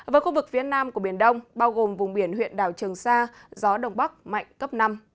với khu vực phía nam của biển đông bao gồm vùng biển huyện đảo trường sa gió đông bắc mạnh cấp năm